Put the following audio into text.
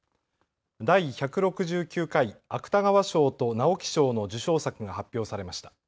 第１６９回芥川賞と直木賞の受賞作が発表されました。